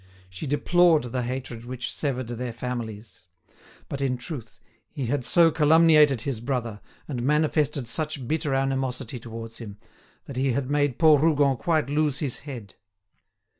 She deplored the hatred which severed their families. But, in truth, he had so calumniated his brother, and manifested such bitter animosity towards him, that he had made poor Rougon quite lose his head.